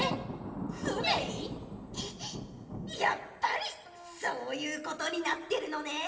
やっぱりそういうことになってるのねえ！